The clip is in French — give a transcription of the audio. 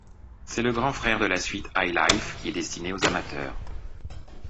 C'est le grand frère de la suite iLife, qui est destinée aux amateurs.